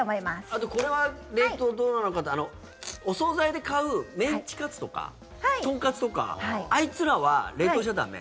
あとこれは冷凍どうなのかってお総菜で買うメンチカツとか豚カツとかあいつらは冷凍しちゃ駄目？